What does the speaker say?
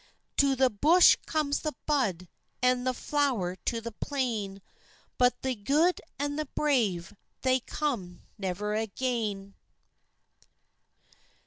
To the bush comes the bud, An' the flower to the plain, But the gude and the brave They come never again.